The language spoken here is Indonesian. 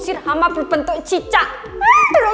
aku mau pergi dulu